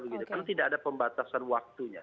karena tidak ada pembatasan waktunya